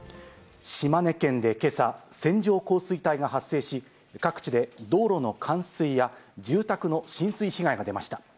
島根県でけさ、線状降水帯が発生し、各地で道路の冠水や住宅の浸水被害が出ました。